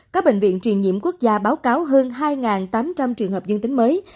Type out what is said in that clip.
các bệnh viện truyền nhiễm quốc gia báo cáo hơn hai tám trăm linh trường hợp dương tính mới